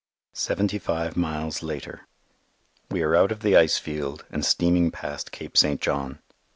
Seventy five miles later We are out of the ice field and steaming past Cape St. John.